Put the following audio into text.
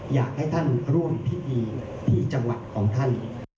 อยากให้ท่านร่วมพิธีผีจังหวัดของท่าน